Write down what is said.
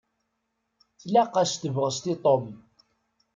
Tlaq-as tebɣest i Tom.